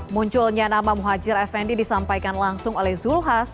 munculnya nama muhajir effendi disampaikan langsung oleh zulhas